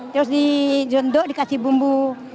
terus di junduk dikasih bumbu